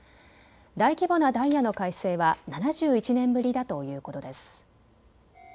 大規模なダイヤの改正は７１年ぶりだということです。